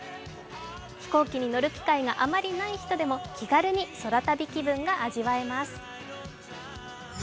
飛行機に乗る機会があまりない人でも、気軽に空旅気分が味わえます。